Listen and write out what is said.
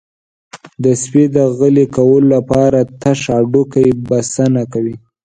د سپي د غلي کولو لپاره تش هډوکی بسنه کوي.